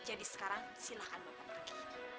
jadi sekarang silahkan bapak pergi